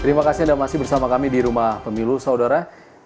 terima kasih anda masih bersama kami di rumah pemilu saudara